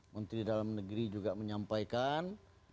menteri dalam negeri juga menyampaikan